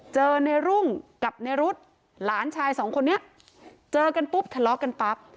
เจอในรุ่งกับในรุ๊ดหลานชายสองคนนี้เจอกันปุ๊บทะเลาะกันปั๊บ